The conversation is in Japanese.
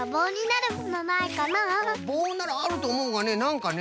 ぼうならあるとおもうがねなんかね。